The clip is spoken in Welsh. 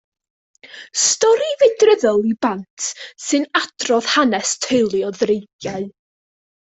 Stori fydryddol i blant sy'n adrodd hanes teulu o ddreigiau.